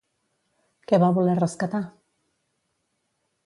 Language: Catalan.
Què va voler rescatar?